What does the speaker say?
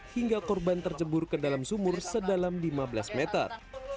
hingga korban tercebur ke dalam sumur sedalam lima belas meter